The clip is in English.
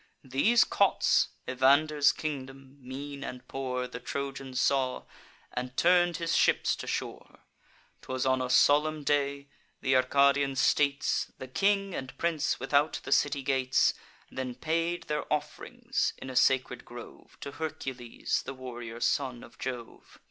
These cots (Evander's kingdom, mean and poor) The Trojan saw, and turn'd his ships to shore. 'Twas on a solemn day: th' Arcadian states, The king and prince, without the city gates, Then paid their off'rings in a sacred grove To Hercules, the warrior son of Jove.